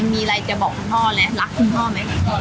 มีอะไรจะบอกคุณพ่อและรักคุณพ่อไหม